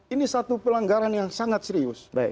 ini satu pelanggaran yang sangat serius